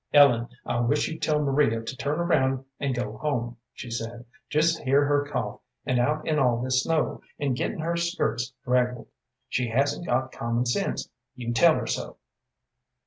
"Ellen, I wish you'd tell Maria to turn around and go home," she said. "Just hear her cough, and out in all this snow, and getting her skirts draggled. She hasn't got common sense, you tell her so."